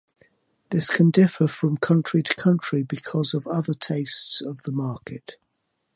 This can differ from country to country because of other tastes of the markets.